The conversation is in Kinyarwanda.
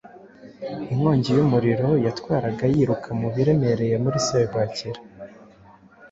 Inkongi y'umuriro yatwaraga yiruka mu biremereye Muri serwakira